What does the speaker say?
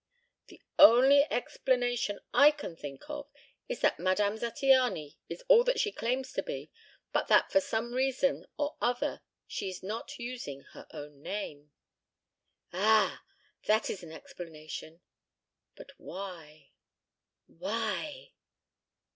"The only explanation I can think of is that Madame Zattiany is all that she claims to be, but that for some reason or other she is not using her own name." "Ah! That is an explanation. But why why?"